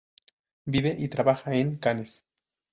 Vive y trabaja en Cannes.